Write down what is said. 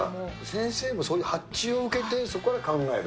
先生もそういう発注を受けて、そこから考える。